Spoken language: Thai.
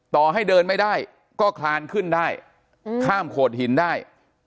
ต่อให้เดินไม่ได้ก็คลานขึ้นได้ข้ามโขดหินได้